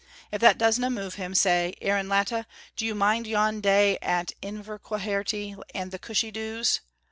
If that doesna move him, say, 'Aaron Latta, do you mind yon day at Inverquharity and the cushie doos?'